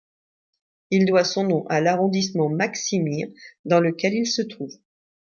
Il doit son nom à l'arrondissement Maksimir dans lequel il se trouve.